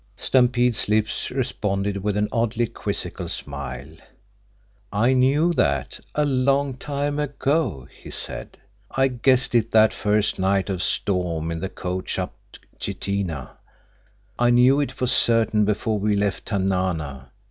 Stampede's lips responded with an oddly quizzical smile. "I knew that a long time ago," he said. "I guessed it that first night of storm in the coach up to Chitina. I knew it for certain before we left Tanana.